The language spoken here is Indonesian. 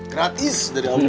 gratis dari allah